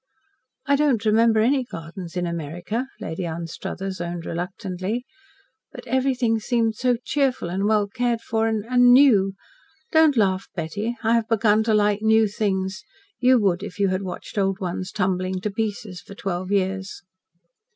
"I don't remember any gardens in America," Lady Anstruthers owned reluctantly, "but everything seemed so cheerful and well cared for and and new. Don't laugh, Betty. I have begun to like new things. You would if you had watched old ones tumbling to pieces for twelve years."